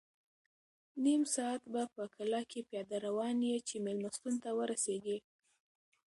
نیم ساعت به په کلا کې پیاده روان یې چې مېلمستون ته ورسېږې.